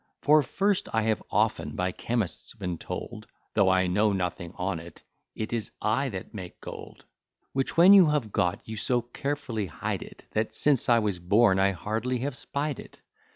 For, first, I have often by chemists been told, (Though I know nothing on't,) it is I that make gold; Which when you have got, you so carefully hide it, That, since I was born, I hardly have spied it.